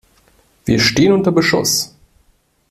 Wir stehen unter Beschuss!